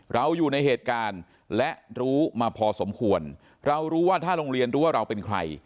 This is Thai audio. เราอยู่ในเหตุการณ์และรู้มาพอสมควรเรารู้ว่าถ้าโรงเรียนรู้ว่าเราเป็นใคร